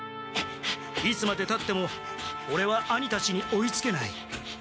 いつまでたってもオレは兄たちに追いつけない。